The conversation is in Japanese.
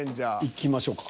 いきましょうか。